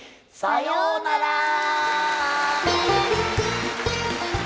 さようなら！